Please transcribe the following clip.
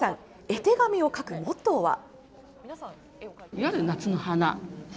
絵手紙を描くモットーは。